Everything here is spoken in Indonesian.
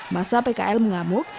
masa pkl mengamuk